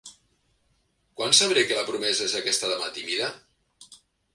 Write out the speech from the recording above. Com sabré que la promesa és aquesta dama tímida?